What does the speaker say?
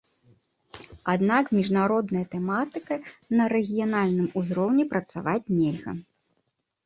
Аднак з міжнароднай тэматыкай на рэгіянальным узроўні працаваць нельга.